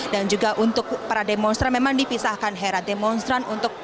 dan juga untuk para demonstran memang dipisahkan hera